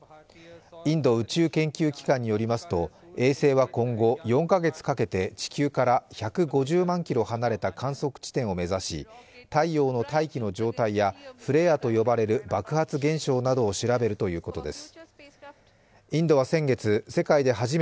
インド宇宙研究機関によりますと、衛星は今後４か月かけて地球から１５０万ｋｍ離れた観測地点を目指し太陽の大気の状態やフレアと呼ばれる爆発現象などを調べるということです。